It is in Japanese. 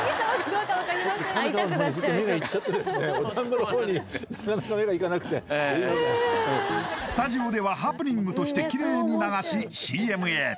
そしてスタジオではハプニングとしてキレイに流しＣＭへ